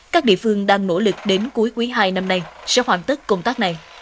các địa phương đang nỗ lực đến cuối quý hai năm nay sẽ hoàn tất công tác này